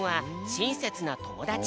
「しんせつなともだち」。